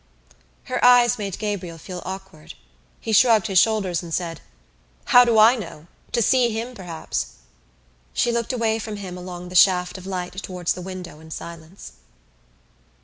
Her eyes made Gabriel feel awkward. He shrugged his shoulders and said: "How do I know? To see him, perhaps." She looked away from him along the shaft of light towards the window in silence.